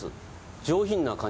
上品な感じの。